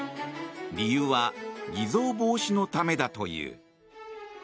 理由は偽造防止のためだという。